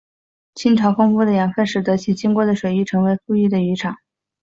亲潮丰富的养分使得其经过的水域成为富裕的渔场。